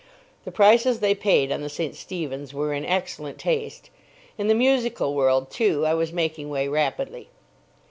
The prices they paid on the St. Stephen's were in excellent taste. In the musical world, too, I was making way rapidly.